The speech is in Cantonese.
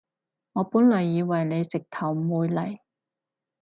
我本來以為你直頭唔會嚟